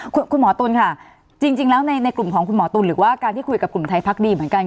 คุณหมอตุ๋นค่ะจริงแล้วในกลุ่มของคุณหมอตุ๋นหรือว่าการที่คุยกับกลุ่มไทยพักดีเหมือนกัน